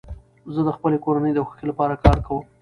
زه د خپلي کورنۍ د خوښۍ له پاره کار کوم.